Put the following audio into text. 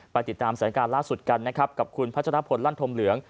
ติดตามสถานการณ์ล่าสุดกันนะครับกับคุณพัชรพลลั่นธมเหลือง